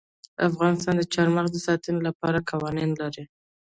افغانستان د چار مغز د ساتنې لپاره قوانین لري.